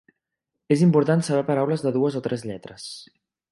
És important saber paraules de dues o tres lletres.